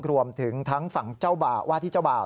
รวมถึงทั้งฝั่งว่าที่เจ้าบ่าว